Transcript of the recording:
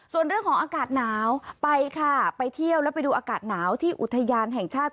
ส่วนเรื่องของอากาศหนาวไปค่ะไปเที่ยวแล้วไปดูอากาศหนาวที่อุทยานแห่งชาติ